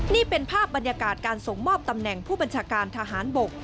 นี่เป็นภาพบรรยากาศการส่งมอบตำแหน่งผู้บัญชาการทหารบก